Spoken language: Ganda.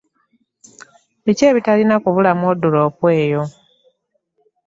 Biki ebitalina kubula mu wooduloppu yo.